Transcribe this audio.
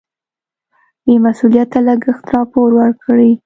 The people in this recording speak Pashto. بې مسؤلیته لګښت راپور ورکړي.